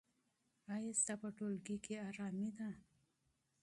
ایا ستا په ټولګي کې ارامي ده؟